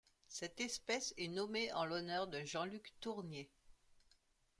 Cette espèce est nommée en l'honneur de Jean-Luc Tournier.